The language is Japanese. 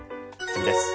次です。